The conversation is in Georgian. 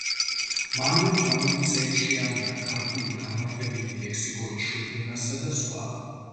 მანვე მრავალი წელი შეალია ქართული განმარტებითი ლექსიკონის შედგენასა და სხვა.